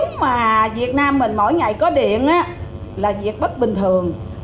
nếu mà việt nam mình mỗi ngày có điện là việc bất bình thường